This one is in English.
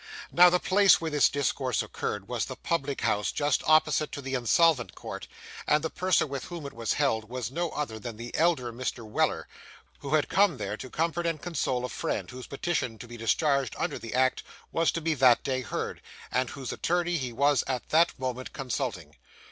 Now, the place where this discourse occurred was the public house just opposite to the Insolvent Court; and the person with whom it was held was no other than the elder Mr. Weller, who had come there, to comfort and console a friend, whose petition to be discharged under the act, was to be that day heard, and whose attorney he was at that moment consulting.